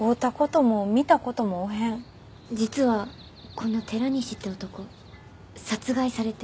実はこの寺西って男殺害されて。